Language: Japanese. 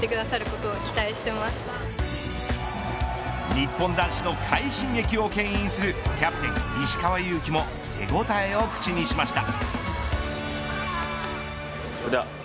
日本男子の快進撃をけん引するキャプテン石川祐希も手応えを口にしました。